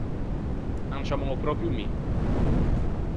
An ciammou pròpio mi.